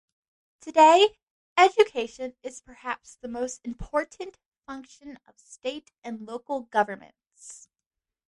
Today, education is perhaps the most important function of state and local governments.